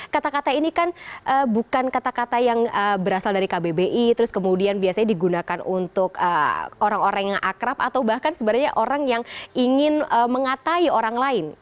kata kata ini kan bukan kata kata yang berasal dari kbbi terus kemudian biasanya digunakan untuk orang orang yang akrab atau bahkan sebenarnya orang yang ingin mengatai orang lain